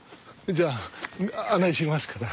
じゃあ案内しますから。